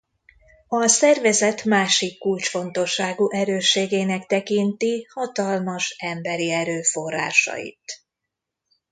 A szervezet másik kulcsfontosságú erősségének tekinti hatalmas emberi erőforrásait.